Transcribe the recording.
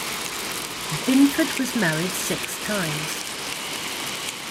Binford was married six times.